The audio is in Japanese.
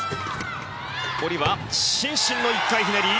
下りは伸身の１回ひねり。